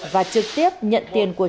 và trực tiếp nhận tiền của